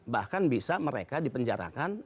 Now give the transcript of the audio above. bahkan bisa mereka dipenjarakan